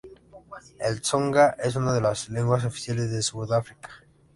El tsonga es una de las lenguas oficiales de Sudáfrica.